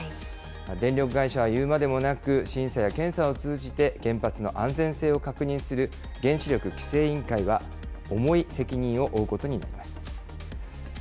電力会社はいうまでもなく、審査や検査を通じて原発の安全性を確認する原子力規制委員会は重い責任を負うことになります。